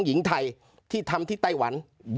เจ้าหน้าที่แรงงานของไต้หวันบอก